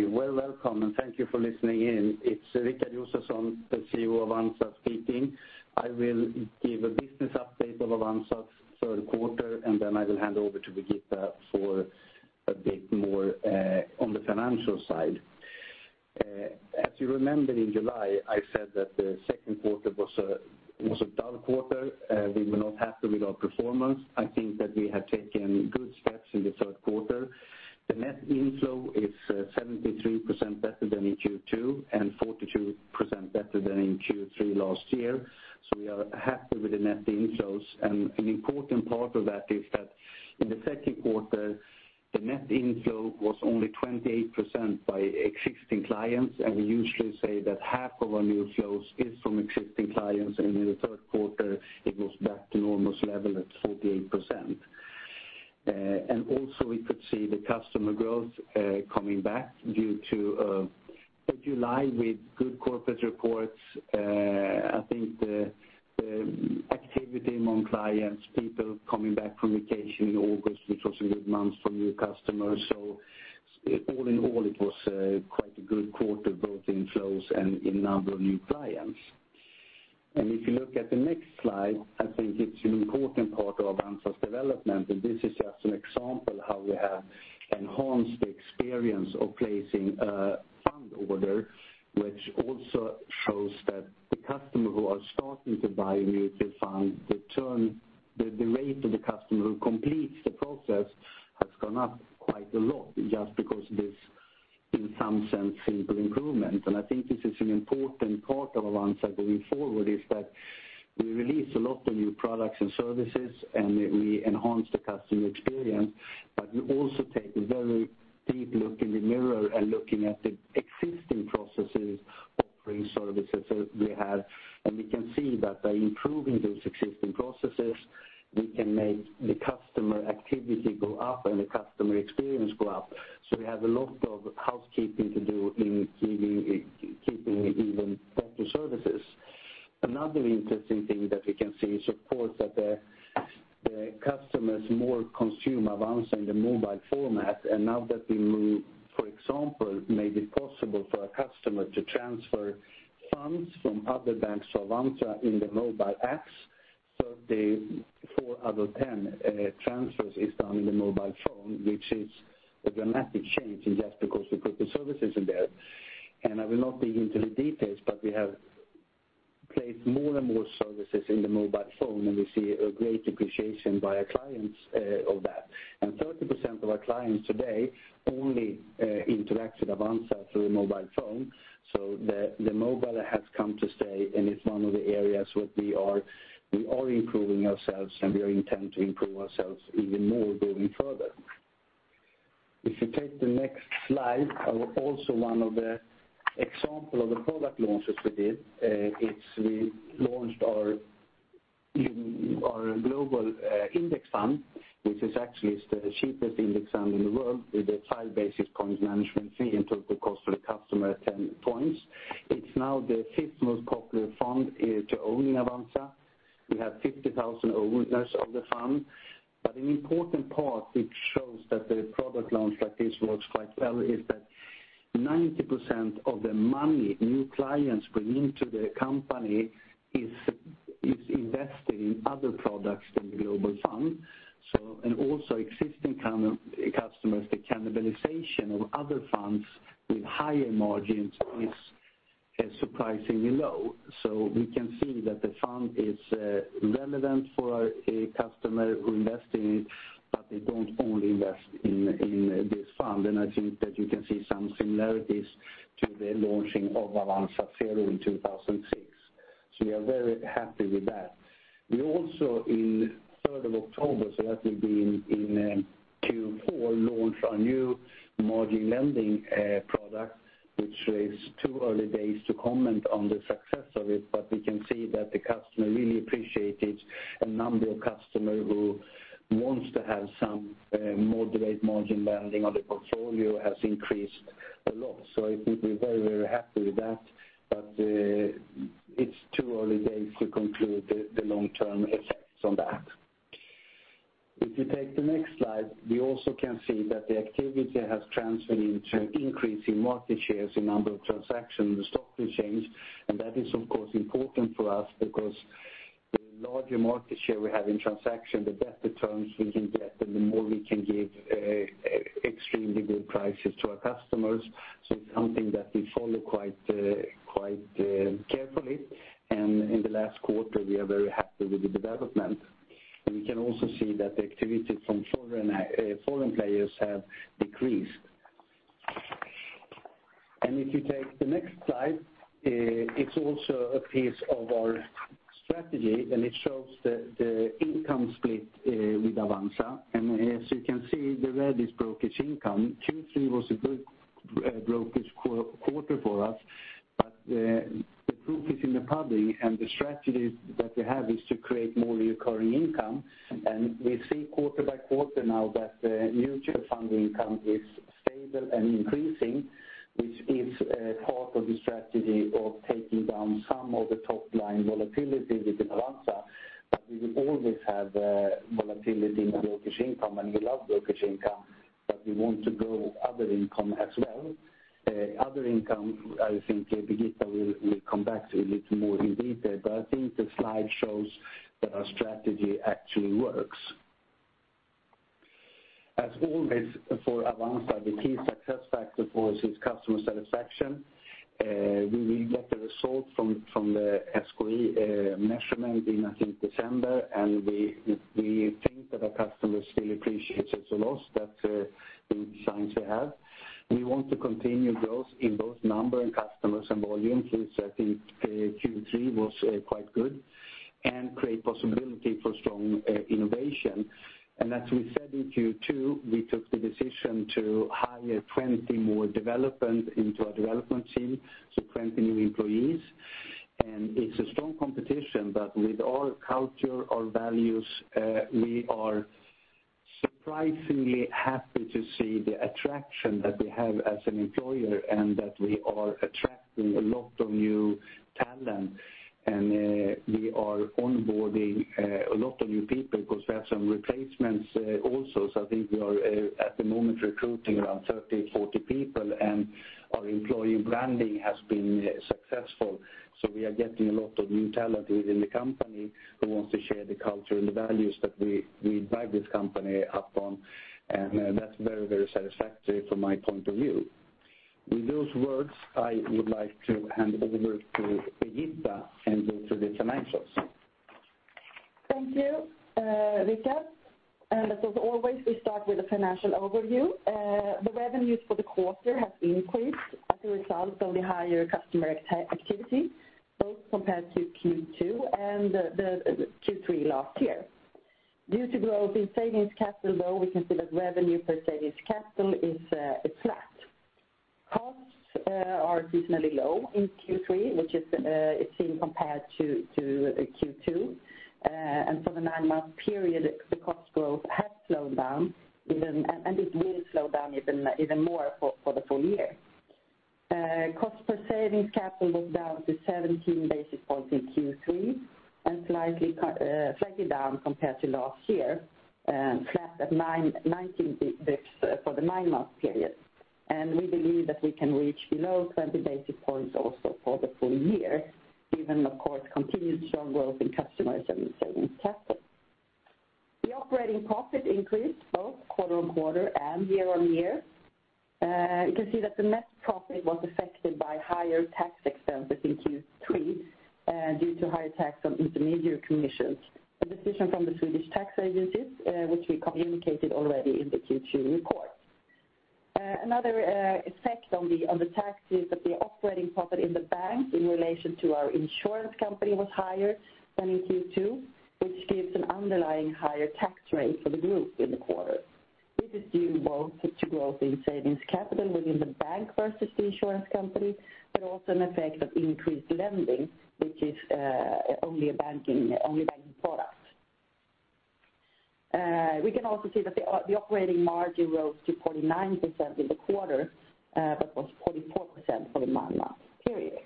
Okay. Well welcome, and thank you for listening in. It's Rikard Josefson, the CEO of Avanza speaking. I will give a business update of Avanza third quarter, then I will hand over to Birgitta for a bit more on the financial side. As you remember, in July, I said that the second quarter was a dull quarter. We were not happy with our performance. I think that we have taken good steps in the third quarter. The net inflow is 73% better than in Q2 and 42% better than in Q3 last year. We are happy with the net inflows. An important part of that is that in the second quarter, the net inflow was only 28% by existing clients, and we usually say that half of our new flows is from existing clients, and in the third quarter it was back to normal level at 48%. Also we could see the customer growth coming back due to July with good corporate reports. I think the activity among clients, people coming back from vacation in August, which was a good month for new customers. All in all, it was quite a good quarter, both inflows and in number of new clients. If you look at the next slide, I think it's an important part of Avanza's development, and this is just an example how we have enhanced the experience of placing a fund order, which also shows that the customer who are starting to buy mutual funds, the rate of the customer who completes the process has gone up quite a lot just because this in some sense, simple improvement. I think this is an important part of Avanza going forward, is that we release a lot of new products and services, and we enhance the customer experience. We also take a very deep look in the mirror at looking at the existing processes offering services that we have. And we can see that by improving those existing processes, we can make the customer activity go up and the customer experience go up. We have a lot of housekeeping to do in keeping even better services. Another interesting thing that we can see is, of course, that the customers more consume Avanza in the mobile format. Now that we move, for example, made it possible for a customer to transfer funds from other banks to Avanza in the mobile apps. The four out of 10 transfers is done in the mobile phone, which is a dramatic change in just because we put the services in there. I will not dig into the details, but we have placed more and more services in the mobile phone, and we see a great appreciation by our clients of that. 30% of our clients today only interact with Avanza through a mobile phone. The mobile has come to stay, and it's one of the areas where we are improving ourselves, and we are intent to improve ourselves even more going further. If you take the next slide, also one of the example of the product launches we did, we launched our global index fund, which is actually the cheapest index fund in the world with a five basis point management fee and total cost for the customer at 10 points. It is now the fifth most popular fund to own in Avanza. We have 50,000 owners of the fund. An important part which shows that the product launch like this works quite well is that 90% of the money new clients bring into the company is invested in other products than the global fund. Also existing customers, the cannibalization of other funds with higher margins is surprisingly low. We can see that the fund is relevant for a customer who invest in it, but they don't only invest in this fund. I think that you can see some similarities to the launching of Avanza Zero in 2006. We are very happy with that. We also in 3rd of October, that will be in Q4, launched our new margin lending product, which is too early days to comment on the success of it, but we can see that the customer really appreciate it. A number of customer who wants to have some moderate margin lending on the portfolio has increased a lot. I think we're very, very happy with that. It's too early days to conclude the long-term effects on that. If you take the next slide, we also can see that the activity has transferred into increase in market shares in number of transactions in the stock exchange. That is of course important for us because the larger market share we have in transaction, the better terms we can get and the more we can give extremely good prices to our customers. It's something that we follow quite carefully. In the last quarter we are very happy with the development. We can also see that the activity from foreign players have decreased. If you take the next slide, it's also a piece of our strategy and it shows the income split with Avanza. As you can see, the red is brokerage income. Q3 was a good brokerage quarter for us. The proof is in the pudding and the strategy that we have is to create more recurring income. We see quarter by quarter now that the mutual fund income is stable and increasing. Which is part of the strategy of taking down some of the top-line volatility within Avanza. But we will always have volatility in the brokerage income, and we love brokerage income, but we want to grow other income as well. Other income, I think Birgitta will come back to a little more in detail, but I think the slide shows that our strategy actually works. As always for Avanza, the key success factor for us is customer satisfaction. We will get the result from the SKI measurement in, I think, December, and we think that our customers still appreciate us a lot that the signs we have. We want to continue growth in both number and customers and volumes since I think Q3 was quite good, and create possibility for strong innovation. As we said in Q2, we took the decision to hire 20 more development into our development team, so 20 new employees. It's a strong competition, but with our culture, our values, we are surprisingly happy to see the attraction that we have as an employer and that we are attracting a lot of new talent. We are onboarding a lot of new people because we have some replacements also. I think we are at the moment recruiting around 30, 40 people, and our employee branding has been successful. We are getting a lot of new talent within the company who wants to share the culture and the values that we drive this company upon, and that's very satisfactory from my point of view. With those words, I would like to hand over to Birgitta and go through the financials. Thank you, Rikard. As always, we start with a financial overview. The revenues for the quarter have increased as a result of the higher customer activity, both compared to Q2 and the Q3 last year. Due to growth in savings capital, though, we can see that revenue per savings capital is flat. Costs are seasonally low in Q3, which is it seemed compared to Q2. For the nine-month period, the cost growth has slowed down, and it will slow down even more for the full year. Cost per savings capital was down to 17 basis points in Q3 and slightly down compared to last year, and flat at 19 basis points for the nine-month period. We believe that we can reach below 20 basis points also for the full year, given, of course, continued strong growth in customers and savings capital. The operating profit increased both quarter-on-quarter and year-on-year. You can see that the net profit was affected by higher tax expenses in Q3 due to higher tax on intermediary commissions. A decision from the Swedish Tax Agency, which we communicated already in the Q2 report. Another effect on the tax is that the operating profit in the bank in relation to our insurance company was higher than in Q2, which gives an underlying higher tax rate for the group in the quarter. This is due both to growth in savings capital within the bank versus the insurance company, but also an effect of increased lending, which is only a banking product. We can also see that the operating margin rose to 49% in the quarter, but was 44% for the nine-month period.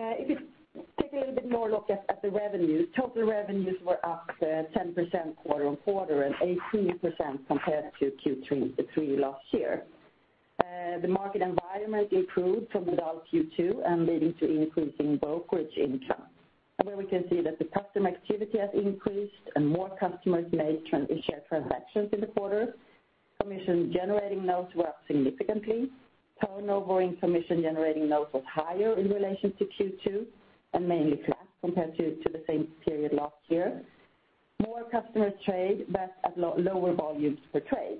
If you take a little bit more look at the revenue, total revenues were up 10% quarter-on-quarter and 18% compared to Q3 last year. The market environment improved from the dull Q2 leading to increase in brokerage income, where we can see that the customer activity has increased and more customers made share transactions in the quarter. Commission-generating trades were up significantly. Turnover in commission-generating trades was higher in relation to Q2 and mainly flat compared to the same period last year. More customers trade but at lower volumes per trade,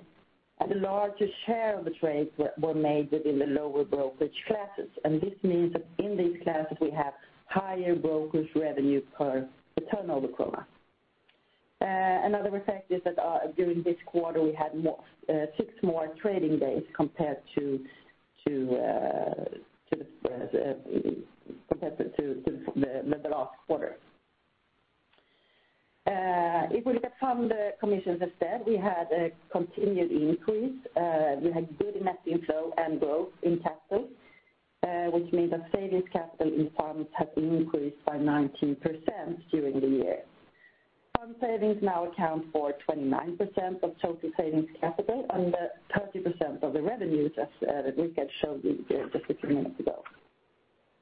and a larger share of the trades were made within the lower brokerage classes. This means that in these classes we have higher brokerage revenue per turnover SEK. Another effect is that during this quarter, we had six more trading days compared to the last quarter. If we look at fund commissions instead, we had a continued increase. We had good net inflow and growth in capital, which means that savings capital in funds have increased by 19% during the year. Fund savings now account for 29% of total savings capital and 30% of the revenues as Rikard showed you just a few minutes ago.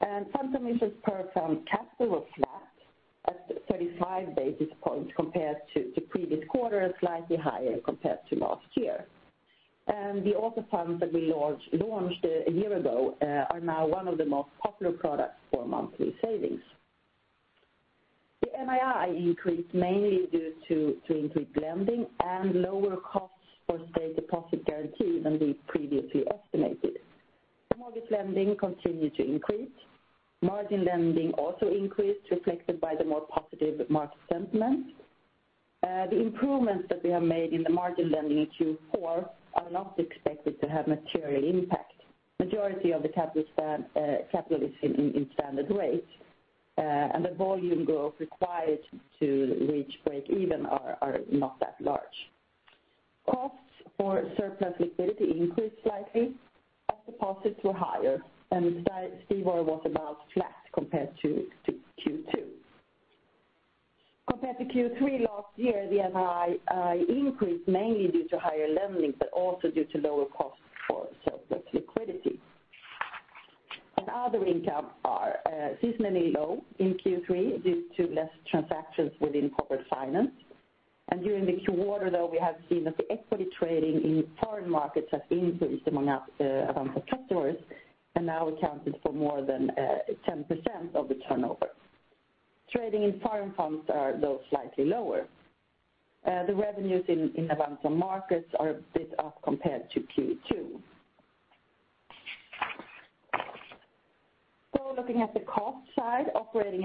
Fund commissions per fund capital was flat at 35 basis points compared to previous quarter and slightly higher compared to last year. The Auto funds that we launched a year ago are now one of the most popular products for monthly savings. The NII increased mainly due to increased lending and lower costs for state deposit guarantee than we previously estimated. The mortgage lending continued to increase. Margin lending also increased, reflected by the more positive market sentiment. The improvements that we have made in the margin lending in Q4 are not expected to have material impact. Majority of the capital is in standard rates. The volume growth required to reach break even are not that large. Costs for surplus liquidity increased slightly as deposits were higher and STIBOR was about flat compared to Q2. Compared to Q3 last year, the NII increased mainly due to higher lending, but also due to lower costs for surplus liquidity. Other income are seasonally low in Q3 due to less transactions within corporate finance. During the quarter though, we have seen that the equity trading in foreign markets has increased among Avanza customers and now accounted for more than 10% of the turnover. Trading in foreign funds are though slightly lower. The revenues in Avanza Markets are a bit up compared to Q2. Looking at the cost side, operating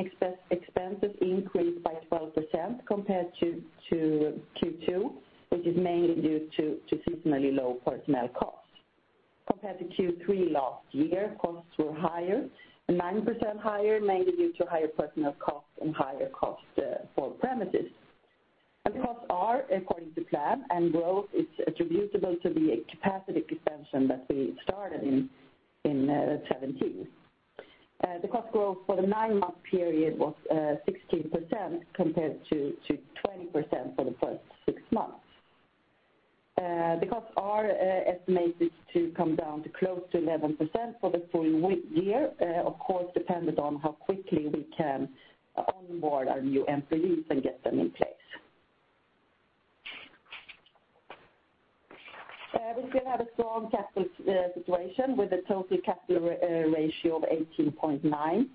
expenses increased by 12% compared to Q2, which is mainly due to seasonally low personnel costs. Compared to Q3 last year, costs were higher, 9% higher, mainly due to higher personnel costs and higher costs for premises. Costs are according to plan, and growth is attributable to the capacity expansion that we started in 2017. The cost growth for the nine-month period was 16% compared to 20% for the first six months. The costs are estimated to come down to close to 11% for the full year, of course dependent on how quickly we can onboard our new employees and get them in place. We still have a strong capital situation with a total capital ratio of 18.9,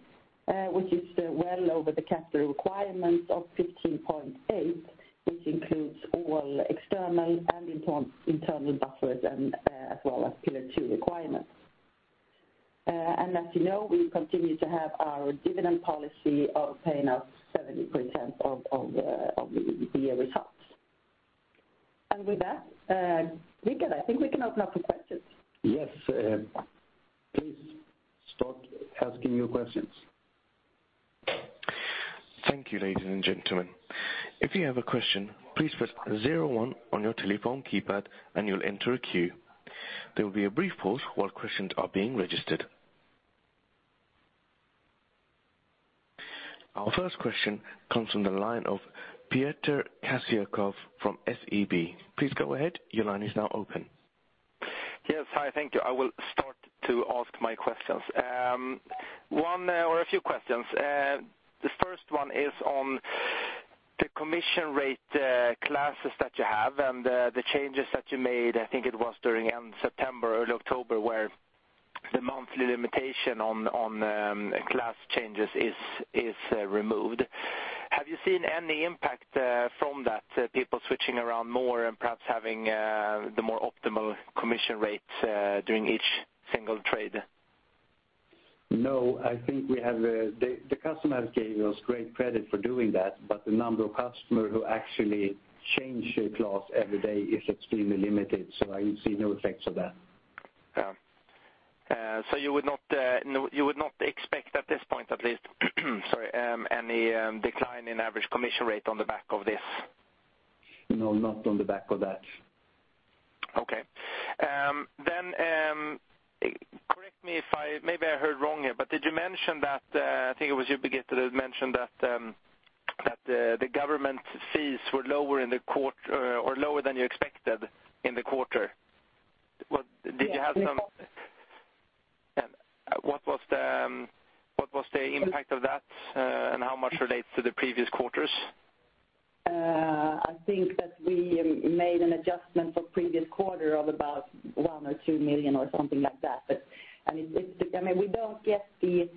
which is well over the capital requirements of 15.8, which includes all external and internal buffers and as well as Pillar 2 requirements. As you know, we continue to have our dividend policy of paying out 70% of the year results. With that, Rikard, I think we can open up for questions. Yes. Please start asking your questions. Thank you, ladies and gentlemen. If you have a question, please press 01 on your telephone keypad and you'll enter a queue. There will be a brief pause while questions are being registered. Our first question comes from the line of Pieter Kasiakow from SEB. Please go ahead. Your line is now open. Yes. Hi. Thank you. I will start to ask my questions. One or a few questions. The first one is on the commission rate classes that you have and the changes that you made, I think it was during end September, early October, where the monthly limitation on class changes is removed. Have you seen any impact from that, people switching around more and perhaps having the more optimal commission rates during each single trade? No, I think the customers gave us great credit for doing that, but the number of customers who actually change class every day is extremely limited, so I see no effects of that. You would not expect at this point, at least sorry, any decline in average commission rate on the back of this? No, not on the back of that. Okay. Correct me if maybe I heard wrong here, but did you mention that, I think it was you Birgitta that mentioned that the government fees were lower than you expected in the quarter? Yes. What was the impact of that? How much relates to the previous quarters? I think that we made an adjustment for previous quarter of about 1 million or 2 million or something like that. We don't get the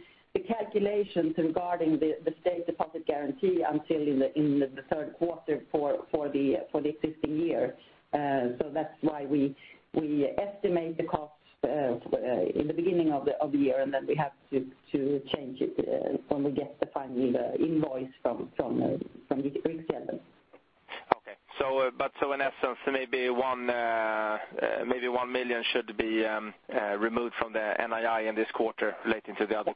calculations regarding the state deposit guarantee until in the third quarter for the existing year. That's why we estimate the cost in the beginning of the year, and then we have to change it when we get the final invoice from Riksgälden. Okay. In essence, maybe 1 million should be removed from the NII in this quarter relating to the other.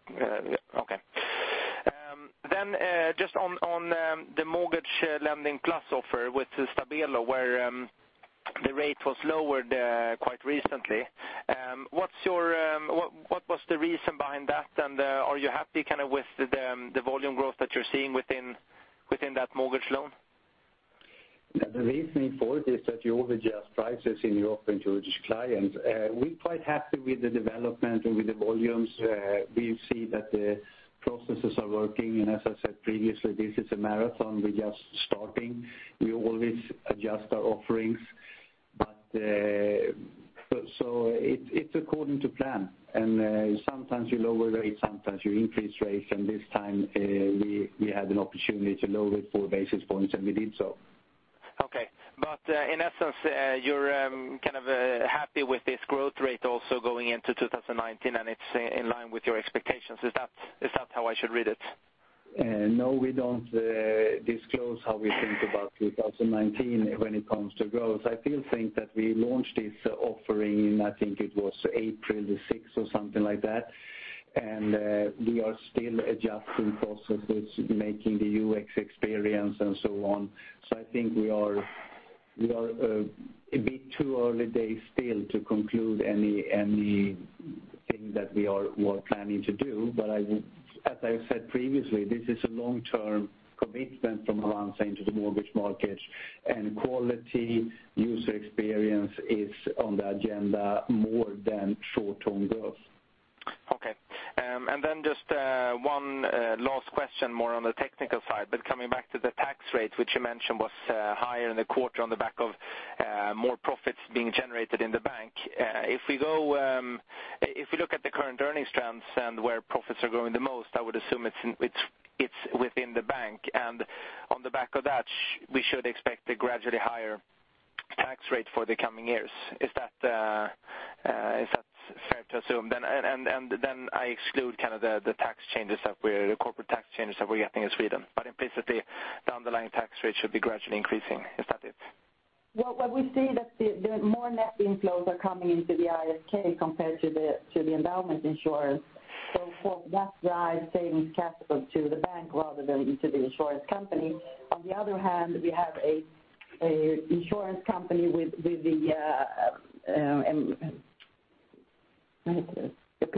Okay. Just on the mortgage lending class offer with Stabelo, where the rate was lowered quite recently. What was the reason behind that? And are you happy with the volume growth that you're seeing within that mortgage loan? The reasoning for it is that you always adjust prices when you offer to a client. We're quite happy with the development and with the volumes. We see that the processes are working, and as I said previously, this is a marathon. We're just starting. We always adjust our offerings. It's according to plan, and sometimes you lower rates, sometimes you increase rates, and this time we had an opportunity to lower it four basis points, and we did so. Okay. In essence, you're happy with this growth rate also going into 2019, and it's in line with your expectations. Is that how I should read it? No, we don't disclose how we think about 2019 when it comes to growth. I still think that we launched this offering in, I think it was April the 6th or something like that. We are still adjusting processes, making the UX experience and so on. I think we are a bit too early days still to conclude anything that we are planning to do. As I said previously, this is a long-term commitment from Avanza into the mortgage markets, and quality user experience is on the agenda more than short-term growth. Okay. Then just one last question, more on the technical side, coming back to the tax rate, which you mentioned was higher in the quarter on the back of more profits being generated in the bank. If we look at the current earnings trends and where profits are growing the most, I would assume it's within the bank. On the back of that, we should expect a gradually higher tax rate for the coming years. Is that fair to assume? Then I exclude the corporate tax changes that we're getting in Sweden. Implicitly, the underlying tax rate should be gradually increasing. Is that it? Well, we see that more net inflows are coming into the ISK compared to the endowment insurance. That drives savings capital to the bank rather than into the insurance company. On the other hand, we have an insurance company with the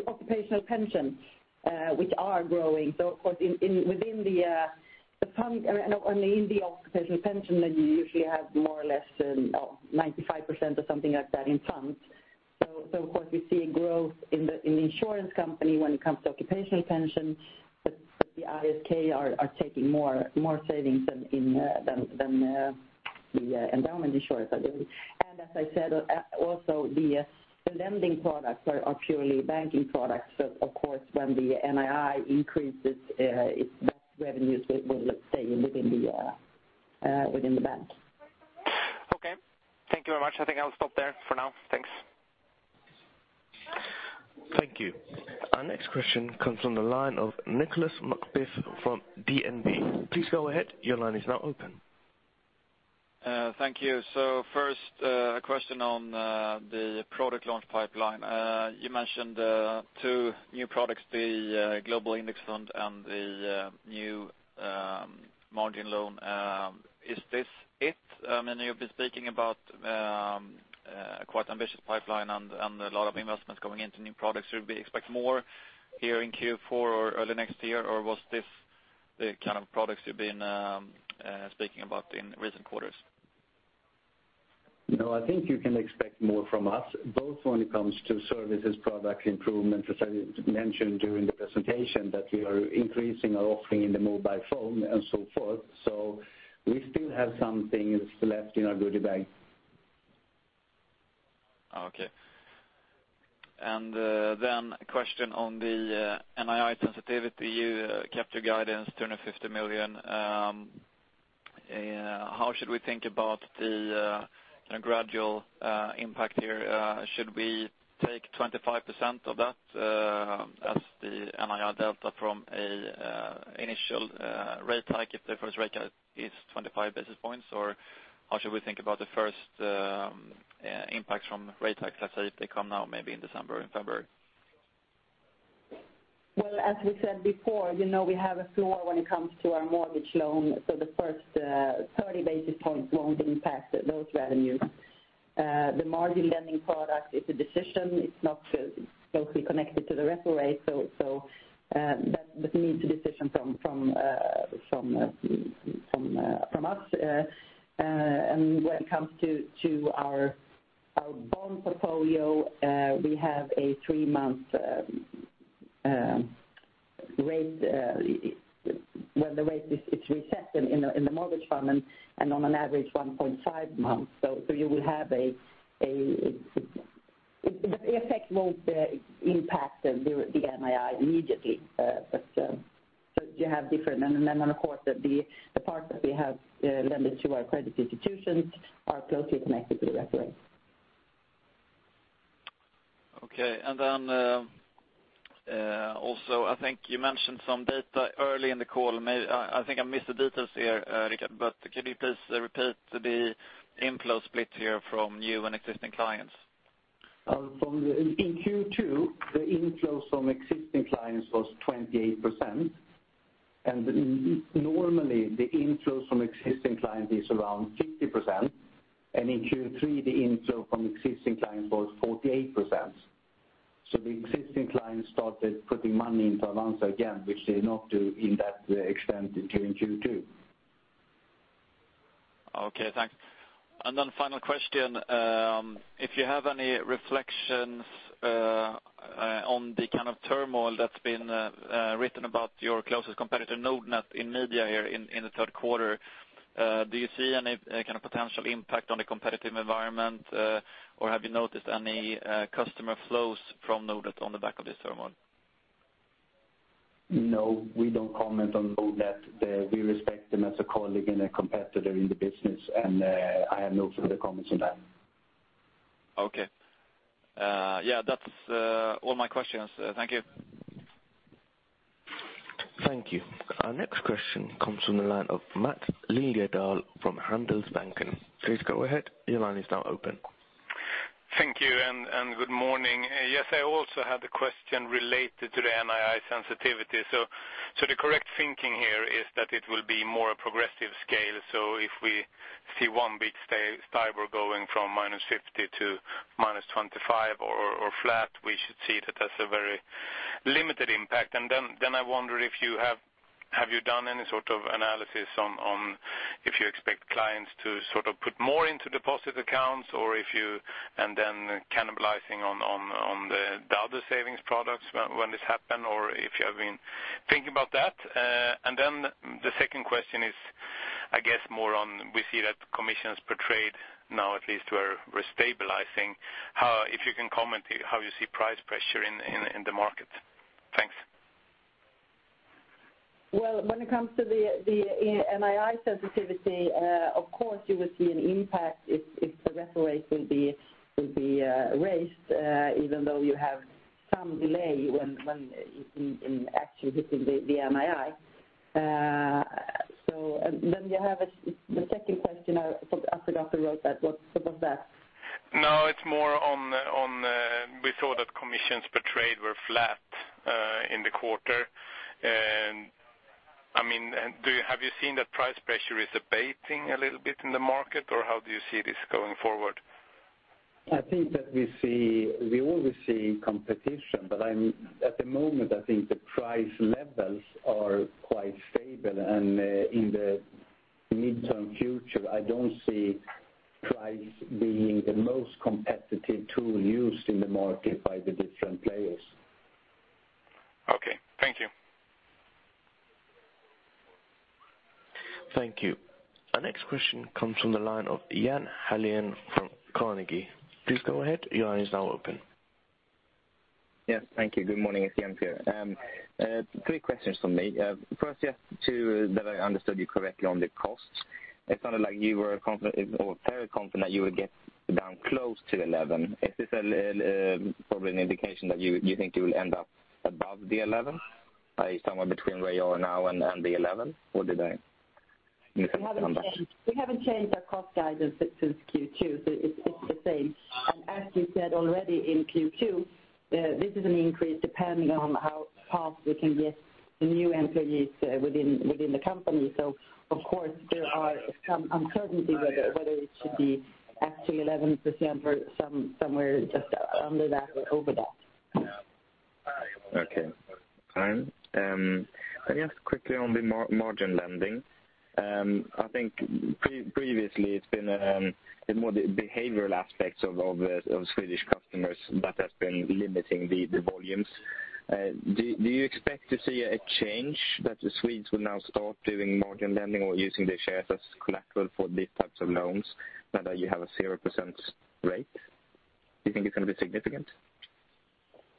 occupational pension which are growing. Of course, in the occupational pension, you usually have more or less than 95% or something like that in funds. Of course, we see a growth in the insurance company when it comes to occupational pension, the ISK are taking more savings than the endowment insurance are doing. As I said, also the lending products are purely banking products. Of course, when the NII increases, that revenue will stay within the bank. Okay. Thank you very much. I think I'll stop there for now. Thanks. Thank you. Our next question comes from the line of Nicholas McBeath from DNB. Please go ahead. Your line is now open. First, a question on the product launch pipeline. You mentioned two new products, the global index fund and the new margin loan. Is this it? You've been speaking about quite ambitious pipeline and a lot of investments going into new products. Should we expect more here in Q4 or early next year, or was this the kind of products you've been speaking about in recent quarters? I think you can expect more from us, both when it comes to services, product improvement. As I mentioned during the presentation, that we are increasing our offering in the mobile phone and so forth. We still have some things left in our goody bag. Then a question on the NII sensitivity. You kept your guidance 250 million. How should we think about the gradual impact here? Should we take 25% of that as the NII delta from an initial rate hike if the first rate cut is 25 basis points? Or how should we think about the first impacts from rate hikes, let's say, if they come now, maybe in December or in February? As we said before, we have a floor when it comes to our mortgage loan. The first 30 basis points won't impact those revenues. The margin lending product is a decision. It's not closely connected to the repo rate, that needs a decision from us. When it comes to our bond portfolio, we have a three-month rate when the rate is reset in the mortgage fund, and on an average 1.5 months. The effect won't impact the NII immediately. Of course, the part that we have lended to our credit institutions are closely connected to the repo rate. Okay. Also, I think you mentioned some data early in the call. I think I missed the details here, Rikard, can you please repeat the inflow split here from new and existing clients? In Q2, the inflows from existing clients was 28%, normally the inflows from existing clients is around 50%, in Q3, the inflow from existing clients was 48%. The existing clients started putting money into Avanza again, which they did not do in that extent during Q2. Okay, thanks. Final question, if you have any reflections on the kind of turmoil that's been written about your closest competitor, Nordnet, in media here in the third quarter. Do you see any potential impact on the competitive environment, or have you noticed any customer flows from Nordnet on the back of this turmoil? No, we don't comment on Nordnet. We respect them as a colleague and a competitor in the business. I have no further comments on that. Okay. Yeah, that's all my questions. Thank you. Thank you. Our next question comes from the line of Mattias Lindeblad from Handelsbanken. Please go ahead. Your line is now open. Thank you. Good morning. Yes, I also had a question related to the NII sensitivity. The correct thinking here is that it will be more a progressive scale. If we see one big STIBOR going from -50 to -25 or flat, we should see that that's a very limited impact. I wonder have you done any sort of analysis on if you expect clients to put more into deposit accounts and then cannibalizing on the other savings products when this happen, or if you have been thinking about that? The second question is, I guess more on, we see that commissions per trade now at least were stabilizing. If you can comment how you see price pressure in the market. Thanks. Well, when it comes to the NII sensitivity, of course you will see an impact if the reference rate will be raised, even though you have some delay when actually hitting the NII. You have the second question, I forgot what that was. No, it's more on, we saw that commissions per trade were flat in the quarter. Have you seen that price pressure is abating a little bit in the market? How do you see this going forward? I think that we always see competition, but at the moment, I think the price levels are quite stable and in the midterm future, I don't see price being the most competitive tool used in the market by the different players. Okay. Thank you. Thank you. Our next question comes from the line of Jens Hallén from Carnegie. Please go ahead. Your line is now open. Yes. Thank you. Good morning. It's Jens here. Three questions from me. First, just to that I understood you correctly on the costs. It sounded like you were confident or very confident you would get down close to 11. Is this probably an indication that you think you will end up above the 11, somewhere between where you are now and the 11? Or did I misunderstand? We haven't changed our cost guidance since Q2, it's the same. As we said already in Q2, this is an increase depending on how fast we can get the new employees within the company. Of course, there are some uncertainties whether it should be actually 11% or somewhere just under that or over that. Okay, fine. I guess quickly on the margin lending. I think previously it's been more the behavioral aspects of Swedish customers that has been limiting the volumes. Do you expect to see a change that the Swedes will now start doing margin lending or using their shares as collateral for these types of loans now that you have a 0% rate? Do you think it's going to be significant?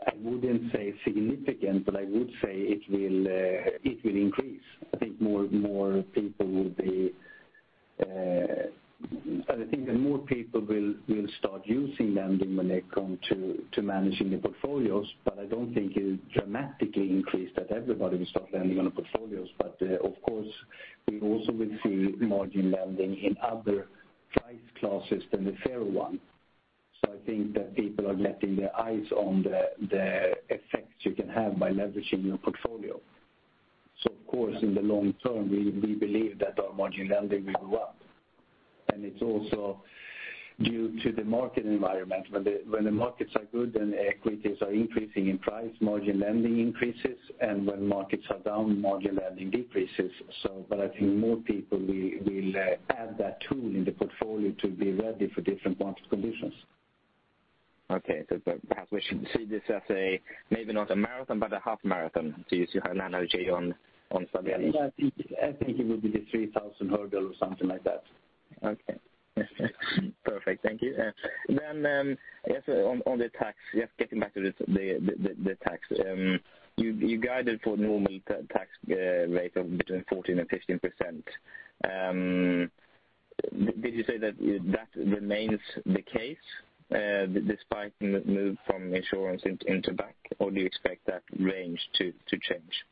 I wouldn't say significant, but I would say it will increase. I think more people will start using lending when they come to managing their portfolios, but I don't think it will dramatically increase that everybody will start lending on portfolios. Of course, we also will see margin lending in other price classes than the zero one. I think that people are getting their eyes on the effects you can have by leveraging your portfolio. Of course, in the long term, we believe that our margin lending will go up. It's also due to the market environment. When the markets are good and equities are increasing in price, margin lending increases, and when markets are down, margin lending decreases. I think more people will add that tool in the portfolio to be ready for different market conditions. Okay. Perhaps we should see this as a, maybe not a marathon, but a half marathon to use your analogy on Stabelo. I think it would be the 3,000 hurdle or something like that. Okay. Perfect. Thank you. I guess on the tax, just getting back to the tax. You guided for normal tax rate of between 14% and 15%. Did you say that remains the case despite the move from insurance into bank, or do you expect that range to change?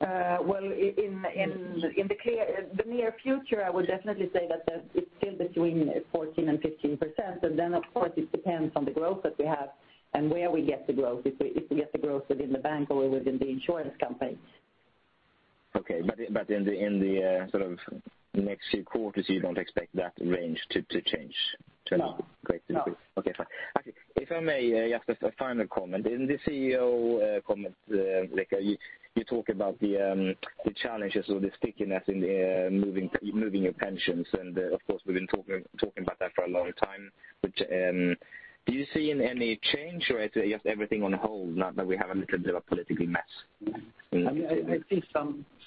In the near future, I would definitely say that it's still between 14% and 15%, but then, of course, it depends on the growth that we have and where we get the growth, if we get the growth within the bank or within the insurance company. Okay. In the next few quarters, you don't expect that range to change dramatically? No. Okay, fine. If I may ask a final comment. In the CEO comments, you talk about the challenges or the stickiness in moving your pensions, and of course, we've been talking about that for a long time. Do you see any change or just everything on hold now that we have a little bit of a political mess?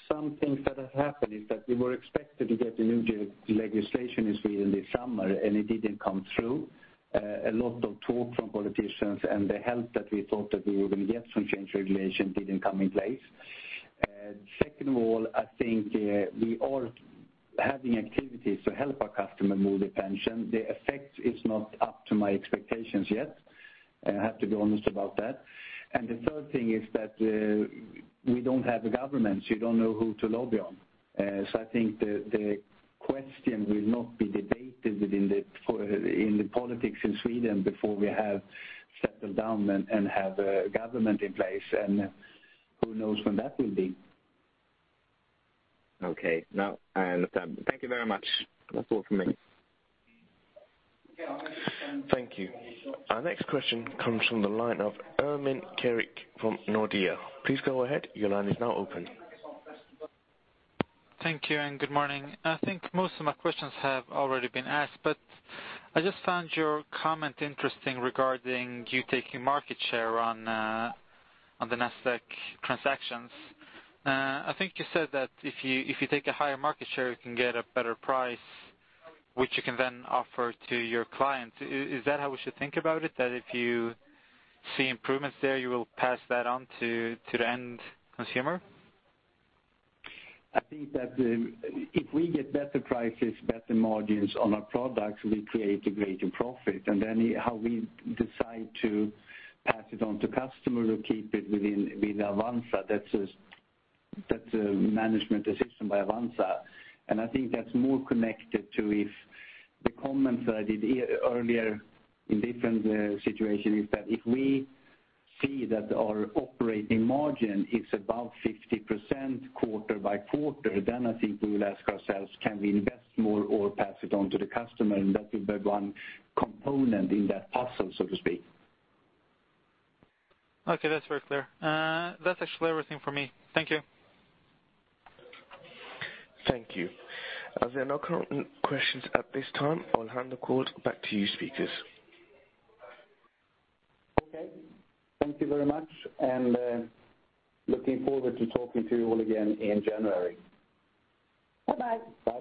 I think something that has happened is that we were expected to get the new legislation in Sweden this summer, and it didn't come through. A lot of talk from politicians and the help that we thought that we were going to get from change regulation didn't come in place. Second of all, I think we are having activities to help our customer move the pension. The effect is not up to my expectations yet. I have to be honest about that. The third thing is that we don't have a government, so you don't know who to lobby on. I think the question will not be debated in the politics in Sweden before we have settled down and have a government in place, and who knows when that will be. Okay. No, I understand. Thank you very much. That's all from me. Thank you. Our next question comes from the line of Ermin Keric from Nordea. Please go ahead. Your line is now open. Thank you, and good morning. I think most of my questions have already been asked, but I just found your comment interesting regarding you taking market share on the Nasdaq transactions. I think you said that if you take a higher market share, you can get a better price, which you can then offer to your client. Is that how we should think about it, that if you see improvements there, you will pass that on to the end consumer? I think that if we get better prices, better margins on our products, we create a greater profit. Then how we decide to pass it on to customer or keep it within Avanza, that's a management decision by Avanza. I think that's more connected to the comments that I did earlier in different situation, is that if we see that our operating margin is above 50% quarter by quarter, then I think we will ask ourselves, "Can we invest more or pass it on to the customer?" That will be one component in that puzzle, so to speak. Okay, that's very clear. That's actually everything for me. Thank you. Thank you. As there are no current questions at this time, I'll hand the call back to you, speakers. Okay. Thank you very much, and looking forward to talking to you all again in January. Bye-bye. Bye.